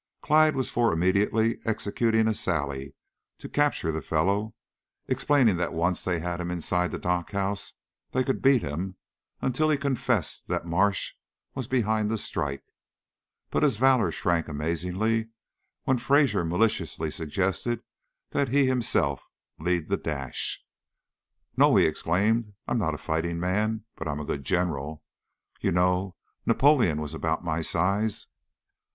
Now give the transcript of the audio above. Clyde was for immediately executing a sally to capture the fellow, explaining that once they had him inside the dock house they could beat him until he confessed that Marsh was behind the strike, but his valor shrank amazingly when Fraser maliciously suggested that he himself lead the dash. "No!" he exclaimed. "I'm not a fighting man, but I'm a good general. You know, Napoleon was about my size."